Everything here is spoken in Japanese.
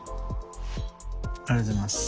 ありがとうございます。